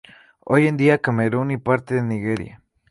Hoy en día Camerún y parte de Nigeria.